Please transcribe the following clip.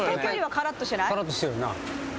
カラッとしてるな